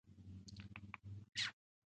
ښارونه د افغانانو د ګټورتیا یوه برخه ده.